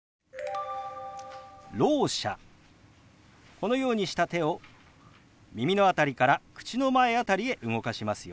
このようにした手を耳の辺りから口の前辺りへ動かしますよ。